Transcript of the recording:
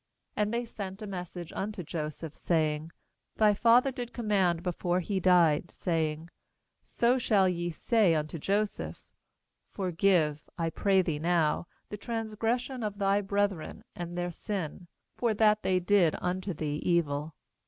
16And they sent a message unto Joseph, saying: 'Thy father did command before he died, saying: 17So shall ye say unto Joseph: For give, I pray thee now, the transgres sion of thy brethren, and their sin, for that they did unto thee evil.